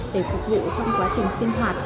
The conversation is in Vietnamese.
để phục vụ trong quá trình sinh hoạt